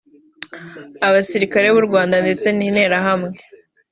Abasirikare b’u Rwanda ndetse n’Interahamwe